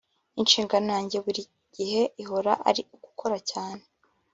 Inshingano yanjye buri gihe ihora ari ugukora cyane